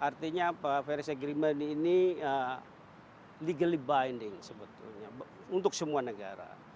artinya apa paris agreement ini legally binding sebetulnya untuk semua negara